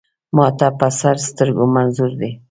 ما ته په سر سترګو منظور دی.